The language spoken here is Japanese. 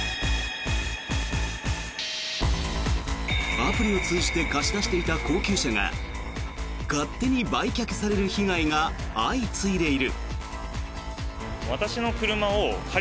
アプリを通じて貸し出していた高級車が勝手に売却される被害が相次いでいる。